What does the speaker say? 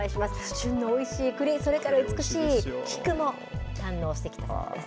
旬のおいしいクリ、それから美しい菊も堪能してきたそうです。